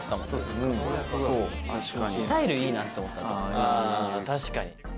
あ確かに。